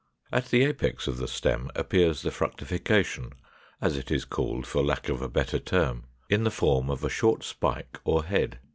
At the apex of the stem appears the fructification, as it is called for lack of a better term, in the form of a short spike or head.